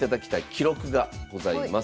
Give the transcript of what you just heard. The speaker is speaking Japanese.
記録がございます。